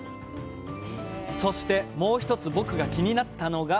そして、もう一つ僕が気になったのが。